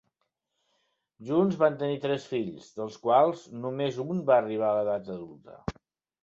Junts van tenir tres fills, dels quals només un va arribar a l'edat adulta.